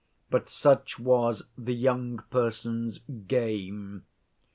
But such was the young person's 'game.